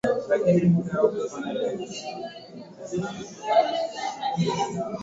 Watu hawa hutumaini bei kuongezeka, kupitia tathmini hii inayofanywa na Mamlaka ya Udhibiti wa Nishati na Petroli.